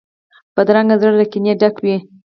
بدرنګه زړه له کینې ډک وي